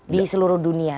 di seluruh dunia